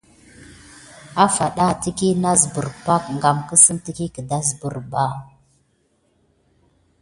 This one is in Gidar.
Awfaɗan təkiy nasbər ɓa kam kawusa pak gedasbirba.